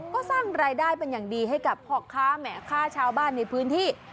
ก็สร้างรายได้เป็นอย่างดีให้กับพ่อค้าแหมค่าชาวบ้านในพื้นที่